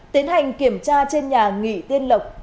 tiến hành kiểm tra trên nhà nghị tiên lộc